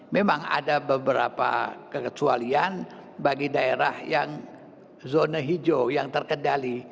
memang ada beberapa kekecualian bagi daerah yang zona hijau yang terkendali